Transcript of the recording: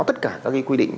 tất cả các quy định